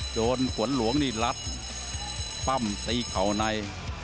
จนฝนหลวงนี่รัดปั้มตีเข่าใน